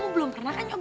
belum pernah sih